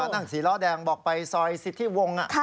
นั่งสีล้อแดงบอกไปซอยสิทธิวงศ์